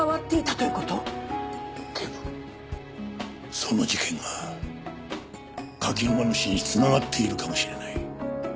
その事件が柿沼の死に繋がっているかもしれない。